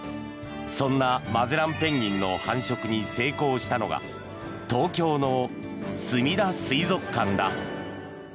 そんなマゼランペンギンの繁殖に成功したのが東京のすみだ水族館だ。